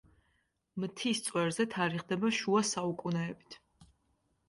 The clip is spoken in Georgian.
მთის წვერზე თარიღდება შუა საუკუნეებით.